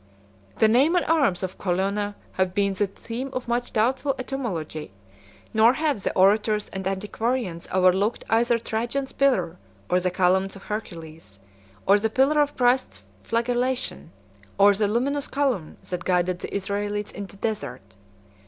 I. The name and arms of Colonna 97 have been the theme of much doubtful etymology; nor have the orators and antiquarians overlooked either Trajan's pillar, or the columns of Hercules, or the pillar of Christ's flagellation, or the luminous column that guided the Israelites in the desert.